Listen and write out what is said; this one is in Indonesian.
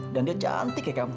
dan dia cantik ya kamu